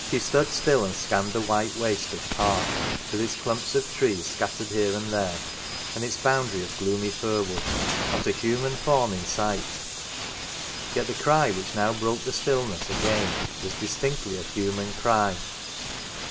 She stood still and scanned the white waste of park, with its clumps of trees scattered here and there, and its boundary of gloomy firwood ; not a human form in sight ; yet the cry which now broke the stillness again was distinctly a human cry.